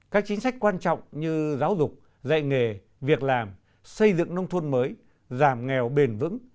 các chính sách quan trọng như giáo dục dạy nghề việc làm xây dựng nông thôn mới giảm nghèo bền vững